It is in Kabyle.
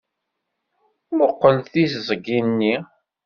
Mmuqqel tiẓgi-nni!